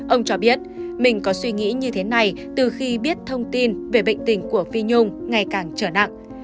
ông cho biết mình có suy nghĩ như thế này từ khi biết thông tin về bệnh tình của phi nhung ngày càng trở nặng